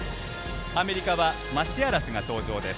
アメリカはマシアラスが登場です。